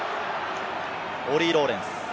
オリー・ローレンス。